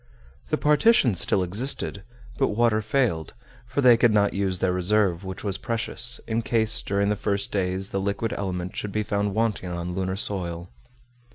The partitions still existed, but water failed, for they could not use their reserve, which was precious, in case during the first days the liquid element should be found wanting on lunar soil.